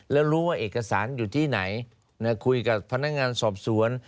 แล้วรู้ว่าเอกสารอยู่ที่ไหนคุยกับพนักงานสอบสวน